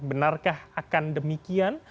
benarkah akan demikian